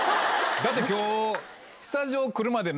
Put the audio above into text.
だって今日。